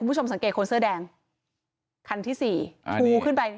คุณผู้ชมสังเกตคนเสื้อแดงคันที่สี่ชูขึ้นไป